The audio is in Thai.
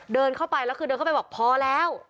เดินเข้าไปแล้วคือเดินเข้าไปบอกพอแล้ว